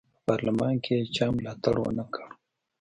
په پارلمان کې یې چا ملاتړ ونه کړ.